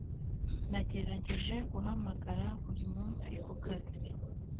nagerageje guhamagara buri munsi kukazi